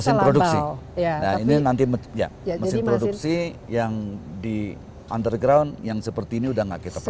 mesin produksi nah ini nanti mesin produksi yang di underground yang seperti ini udah nggak kita pakai